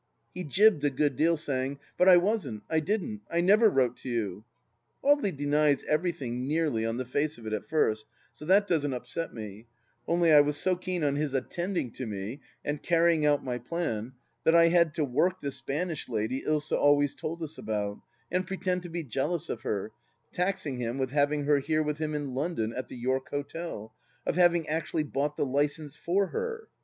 He jibbed a good deal, saying, " But I wasn't, I didn't, I never wrote to you 1 " Audely denies everything nearly on the face of it at first, so that doesn't upset me, only I was so keen on his attending to me and carrying out my plan that I had to work the Spanish lady Ilsa always told us about, and pretend to be jealous of her, taxing him with having her here with him in London, at the York Hotel — of having actually bought the licence for her